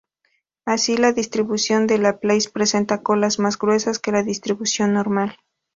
Así la distribución de Laplace presenta colas más gruesas que la distribución normal.